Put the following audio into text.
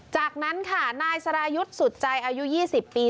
จากนั้นค่ะนายสรายุทธ์สุดใจอายุ๒๐ปี